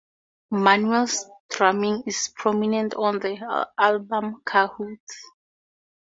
Manuel's drumming is prominent on the album "Cahoots".